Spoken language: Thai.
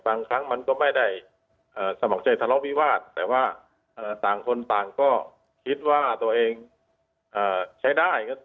บางครั้งมันก็ไม่ได้สมัครใจทะเลาะวิวาสแต่ว่าต่างคนต่างก็คิดว่าตัวเองใช้ได้